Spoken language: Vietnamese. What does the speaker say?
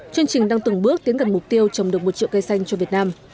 chương trình đang từng bước tiến gần mục tiêu trồng được một triệu cây xanh cho việt nam